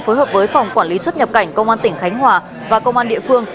phối hợp với phòng quản lý xuất nhập cảnh công an tỉnh khánh hòa và công an địa phương